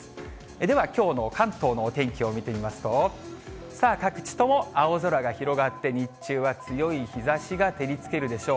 ではきょうの関東のお天気を見てみますと、各地とも青空が広がって、日中は強い日ざしが照りつけるでしょう。